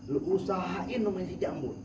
lu usahain sama si jambul